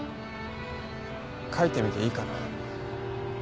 書いてみていいかな？